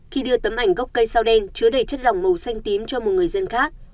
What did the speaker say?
khi đưa tấm ảnh gốc cây sao đen chứa đầy chất lỏng màu xanh tím cho một người dân khác